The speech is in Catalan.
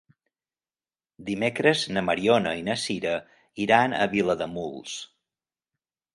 Dimecres na Mariona i na Sira iran a Vilademuls.